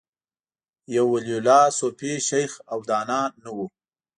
یو ولي الله، صوفي، شیخ او دانا نه و